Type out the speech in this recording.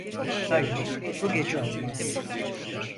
Hayır, bu gece olmaz.